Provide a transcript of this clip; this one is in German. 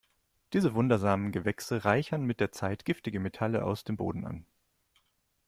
Diese wundersamen Gewächse reichern mit der Zeit giftige Metalle aus dem Boden an.